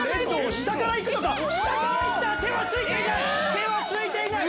手は着いていない！